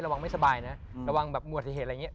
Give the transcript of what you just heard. ระวังไม่สบายนะระวังแบบอุบัติเหตุอะไรอย่างนี้